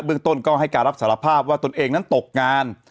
เรื่องต้นก็ให้การรับสารภาพว่าตนเองนั้นตกงาน